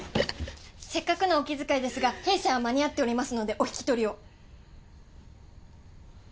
せっかくのお気遣いですが弊社は間に合っておりますのでお引き取りを。